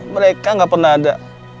mereka gak pernah ada